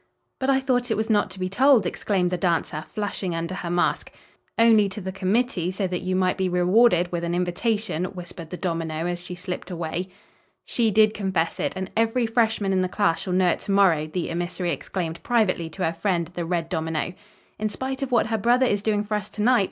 "But I thought it was not to be told," exclaimed the dancer, flushing under her mask. "Only to the committee so that you might be rewarded with an invitation," whispered the domino, as she slipped away. "She did confess it, and every freshman in the class shall know it to morrow!" the emissary exclaimed privately to her friend, the red domino. "In spite of what her brother is doing for us to night?"